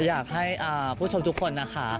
อยากให้ผู้ชมทุกคนนะคะ